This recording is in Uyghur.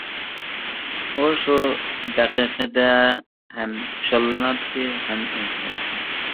ئۇ شۇ دەقىقىدە ھەم خۇشاللىناتتى ھەم ئەنسىرەيتتى.